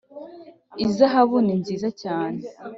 ihazabu ni nziza cyane